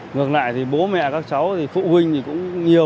ngược lại thì bố mẹ các cháu thì phụ huynh thì cũng nhiều